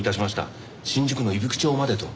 新宿の伊吹町までと。